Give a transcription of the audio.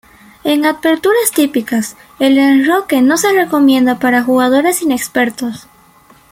En aperturas típicas, el enroque no se recomienda para jugadores inexpertos.